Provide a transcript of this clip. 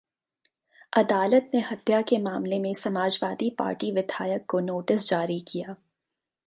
अदालत ने हत्या के मामले में समाजवादी पार्टी विधायक को नोटिस जारी किया